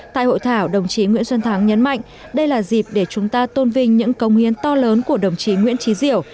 tại hội thảo đồng chí nguyễn xuân thắng nhấn mạnh đây là dịp để chúng ta tôn vinh những công hiến to lớn của đồng chí nguyễn trí diểu